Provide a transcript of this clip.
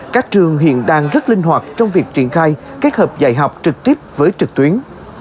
các trường hiện đang rất linh hoạt trong việc triển khai kết hợp dạy học trực tiếp với trực tuyến